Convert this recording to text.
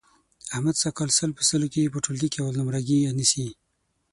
احمد سږ کال سل په سلو کې په ټولګي کې اول نمرګي نیسي.